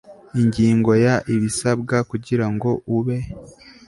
ingingo ya ibisabwa kugirango ube